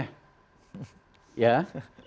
ini kan udah kawin semua nih elitnya